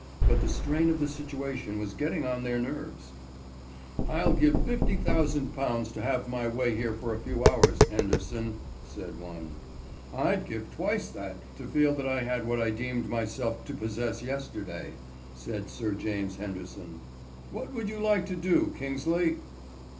But the strain of the situation was getting on their nerves. "I'd give £50,000 to have my way here for a few hours, Henderson," said one. "I'd give twice that to feel that I had what I deemed myself to possess yesterday," said Sir James Henderson. "What would you like to do, Kingsley?"